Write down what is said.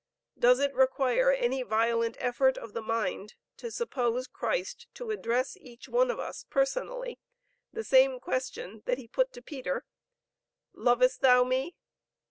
Does it require any violent effort of the mind to suppose Christ to address each one of us personally the same question that He put to Peter, 'Lovest thou me?'